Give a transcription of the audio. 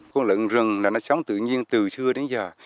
con lợn rừng là nó sống tự nhiên từ xưa đến giờ